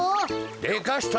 でかした！